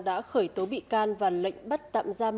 đã khởi tố bị can và lệnh bắt tạm giam